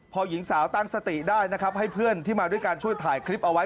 พอหญิงสาวตั้งสติได้นะครับให้เพื่อนที่มาด้วยการช่วยถ่ายคลิปเอาไว้